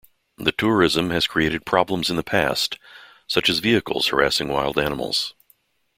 The tourism has created problems in the past, such as vehicles harassing wild animals.